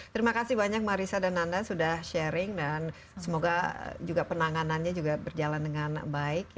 terima kasih banyak marisa dan anda sudah sharing dan semoga juga penanganannya juga berjalan dengan baik